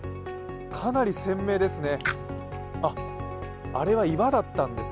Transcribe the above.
かなり鮮明ですね。